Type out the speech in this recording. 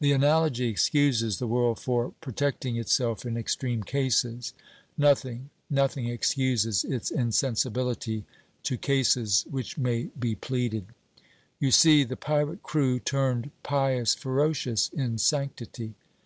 The analogy excuses the world for protecting itself in extreme cases; nothing, nothing excuses its insensibility to cases which may be pleaded. You see the pirate crew turned pious ferocious in sanctity.'